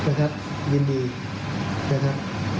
นะครับยินดีนะครับ